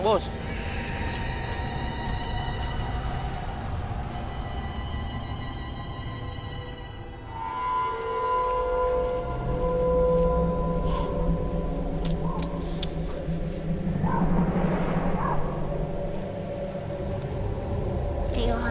bos kita kemana